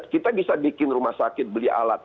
kita bisa bikin rumah sakit beli alat